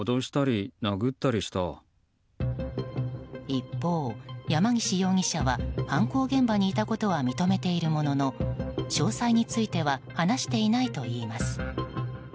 一方、山岸容疑者は犯行現場にいたことは認めているものの詳細については話していないといいます。